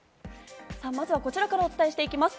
まずはこちらからお伝えします。